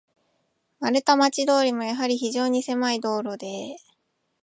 丸太町通も、やはり非常にせまい道路で、